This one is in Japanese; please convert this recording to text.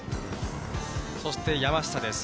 そして山下です。